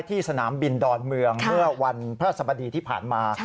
สนามบินดอนเมืองเมื่อวันพระสบดีที่ผ่านมา